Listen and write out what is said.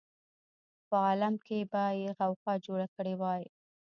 په عالم کې به یې غوغا جوړه کړې وای.